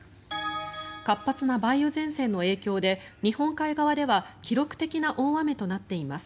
活発な梅雨前線の影響で日本海側では記録的な大雨となっています。